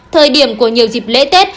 thời điểm của nhiều dịp lễ tết